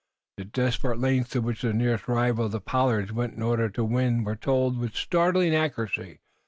The desperate lengths to which the nearest rival of the Pollards went in order to win were told with startling accuracy.